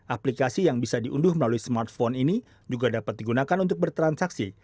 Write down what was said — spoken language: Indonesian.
aplikasi yang bisa diunduh melalui smartphone ini juga dapat digunakan untuk bertransaksi